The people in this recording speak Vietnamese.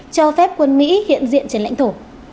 cho phép quân mỹ hiện diện trên lãnh thổ